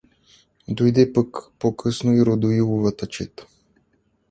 Дойде по-късно и Радоиловата чета.